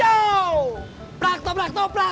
for cang hijau plak toprak toprak cendol manis dingin